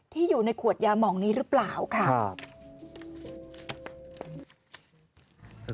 ที่อยู่ในขวดยามองนี้หรือเปล่าค่ะ